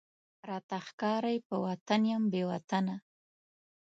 راته ښکاری په وطن یم بې وطنه،